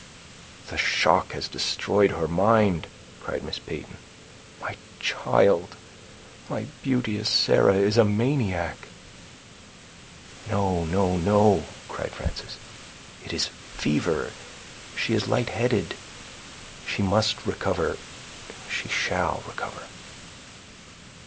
"The shock has destroyed her mind," cried Miss Peyton; "my child, my beauteous Sarah is a maniac!" "No, no, no," cried Frances, "it is fever; she is lightheaded—she must recover—she shall recover."